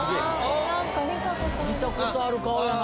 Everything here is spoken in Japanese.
見たことある顔やな。